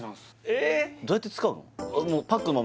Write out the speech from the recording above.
えっどうやって使うの？